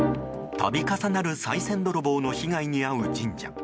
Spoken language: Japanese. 度重なるさい銭泥棒の被害に遭う神社。